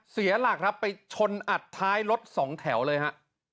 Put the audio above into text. เสียหลักครับไปชนอัดท้ายรถสองแถวเลยฮะ